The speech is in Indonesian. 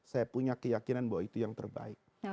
saya punya keyakinan bahwa itu yang terbaik